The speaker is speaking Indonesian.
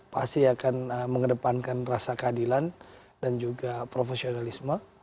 pasti akan mengedepankan rasa keadilan dan juga profesionalisme